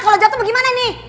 kalau jatuh gimana nih